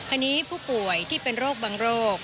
อันนี้ผู้ป่วยที่เป็นโรคบางโรค